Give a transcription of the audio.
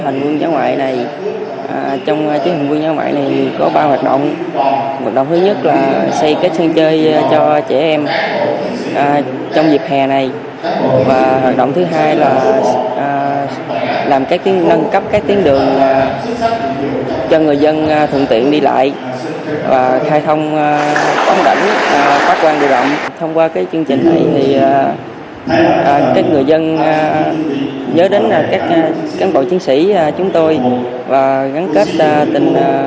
thông qua chương trình này các người dân nhớ đến các cán bộ chiến sĩ chúng tôi và gắn kết tình quân dân đối với cán bộ chiến sĩ